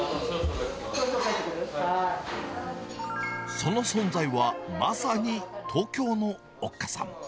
その存在は、まさに東京のおっかさん。